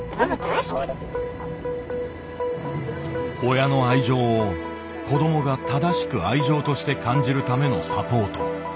親の愛情を子どもが正しく愛情として感じるためのサポート。